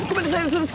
嘘です。